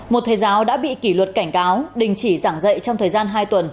một thầy giáo đã bị kỷ luật cảnh cáo đình chỉ giảng dạy trong thời gian hai tuần